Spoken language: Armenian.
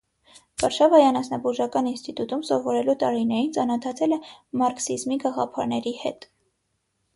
Վարշավայի անասնաբուժական ինստիտուտում սովորելու տարիներին ծանոթացել է մարքսիզմի գաղափարների հետ։